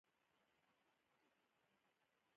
د بدن په ژبه خپله علاقه او ارامتیا ښودل